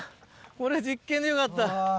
これ実験でよかった。